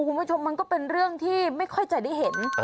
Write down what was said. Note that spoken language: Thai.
คุณผู้ชมมันก็เป็นเรื่องที่ไม่ค่อยจะได้เห็น